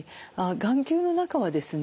眼球の中はですね